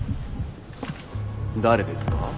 誰ですか？